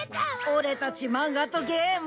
オレたち漫画とゲーム。